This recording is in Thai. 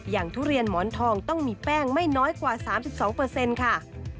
ทุเรียนหมอนทองต้องมีแป้งไม่น้อยกว่า๓๒ค่ะ